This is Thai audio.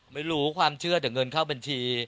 ไม่รู้ความเชื่อแต่เงินเข้าบัญชี